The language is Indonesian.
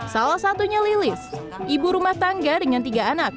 salah satunya lilis ibu rumah tangga dengan tiga anak